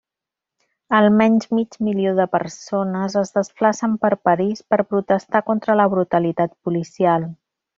Almenys mig milió de persones es desplacen per París per protestar contra la brutalitat policial.